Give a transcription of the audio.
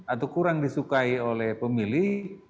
atau kurang disukai oleh pemilih